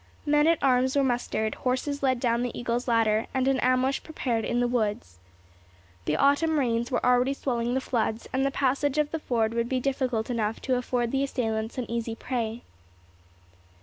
Men at arms were mustered, horses led down the Eagle's Ladder, and an ambush prepared in the woods. The autumn rains were already swelling the floods, and the passage of the ford would be difficult enough to afford the assailants an easy prey.